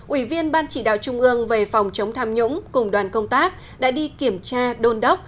ủy viên ban chỉ đạo trung ương về phòng chống tham nhũng cùng đoàn công tác đã đi kiểm tra đôn đốc